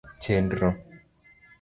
Chenro: